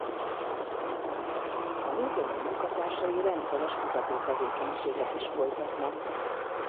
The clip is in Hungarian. A múzeum munkatársai rendszeres kutató tevékenységet is folytatnak.